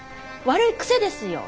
悪い癖ですよ。